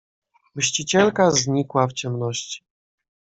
"Mścicielka znikła w ciemności."